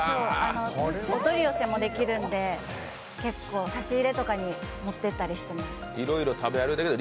お取り寄せもできるんで、結構差し入れとかに持っていったりしても。